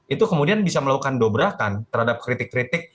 itu kemudian bisa melakukan dobrakan terhadap kritik kritik